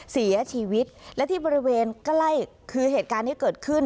เสียชีวิตและที่บริเวณใกล้คือเหตุการณ์ที่เกิดขึ้น